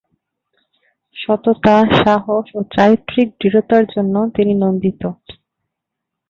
সততা, সাহস ও চারিত্রিক দৃঢ়তার জন্য তিনি নন্দিত।